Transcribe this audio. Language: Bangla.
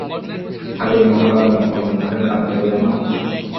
খালি, মহল আর মহল, মহলের দাম কত জানো?